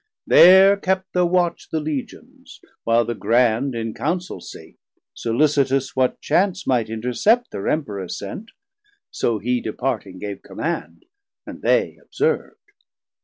There kept thir Watch the Legions, while the Grand In Council sate, sollicitous what chance Might intercept thir Emperour sent, so hee Departing gave command, and they observ'd.